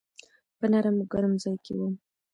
په نرم او ګرم ځای کي وم .